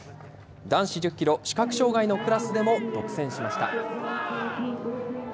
男子１０キロ視覚障害のクラスでも独占しました。